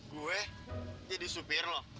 gue jadi sopir lu